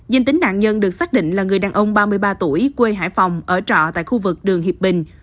dân tính nạn nhân được xác định là người đàn ông ba mươi ba tuổi quê hải phòng ở trọ tại khu vực đường hiệp bình